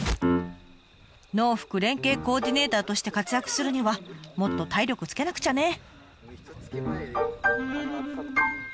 農福連携コーディネーターとして活躍するにはもっと体力つけなくちゃね！